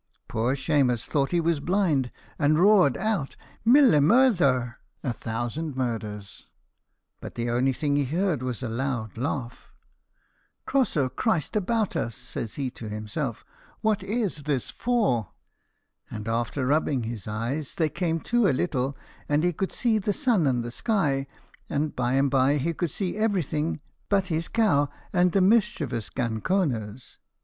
Poor Shemus thought he was blind, and roared out, 'Mille murdher!' but the only thing he heard was a loud laugh. 'Cross o' Christ about us,' says he to himself, 'what is this for?' and afther rubbing his eyes they came to a little, and he could see the sun and the sky, and, by and by, he could see everything but his cow and the mischievous ganconers.